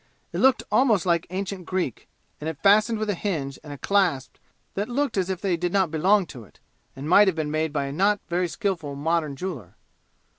It looked almost like ancient Greek, and it fastened with a hinge and clasp that looked as if they did not belong to it, and might have been made by a not very skillful modern jeweler.